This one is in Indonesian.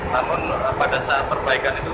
namun pada saat perbaikan itu